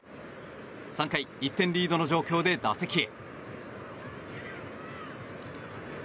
３回、１点リードの状況で打席へ。